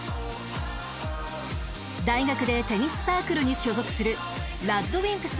大学でテニスサークルに所属する ＲＡＤＷＩＭＰＳ